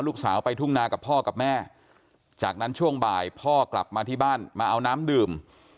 ลูกสาวไปทุ่งนากับพ่อกับแม่จากนั้นช่วงบ่ายพ่อกลับมาที่บ้านมาเอาน้ำดื่ม